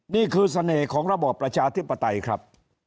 นี่คือเสน่ห์ของระบอบประชาธิปไตยครับ